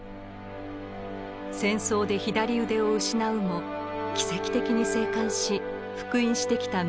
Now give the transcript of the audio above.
戦争で左腕を失うも奇跡的に生還し復員してきた水木さん。